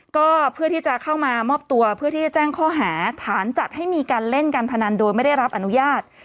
ก็เพื่อที่จะเข้ามามอบตัวเพื่อที่จะแจ้งข้อหาฐานจัดให้มีการเล่นการพนันโดยไม่ได้รับอนุญาต